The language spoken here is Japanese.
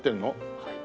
はい。